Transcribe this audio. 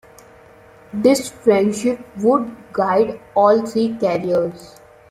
This friendship would guide all three careers.